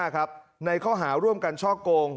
๒๑๖๕ครับในข้อหาร่วมกันช่อกง